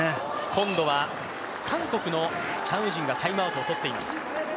今度は韓国のチャン・ウジンがタイムアウトを取っています。